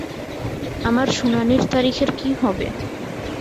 আমার শুনানির তারিখের কী হবে?